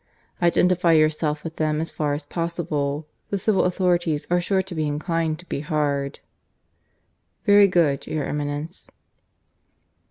Identify yourself with them as far as possible. The civil authorities are sure to be inclined to be hard." "Very good, your Eminence."